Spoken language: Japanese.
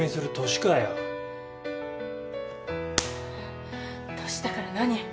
年だから何？